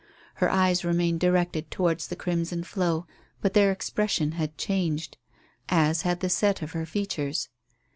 Her eyes remained directed towards the crimson flow, but their expression had changed, as had the set of her features.